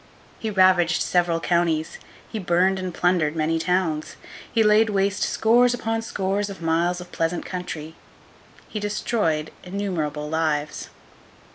He ravaged several counties; he burned and plundered many towns; he laid waste scores upon scores of miles of pleasant country; he destroyed innumerable lives.